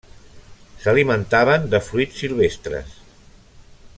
S'alimentaven de fruits silvestres.